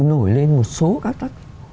nổi lên một số các